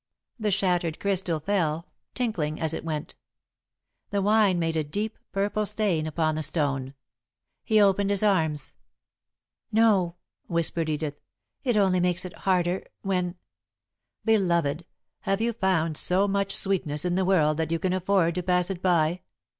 The shattered crystal fell, tinkling as it went. The wine made a deep, purple stain upon the stone. He opened his arms. "No," whispered Edith. "It only makes it harder, when " "Beloved, have you found so much sweetness in the world that you can afford to pass it by?"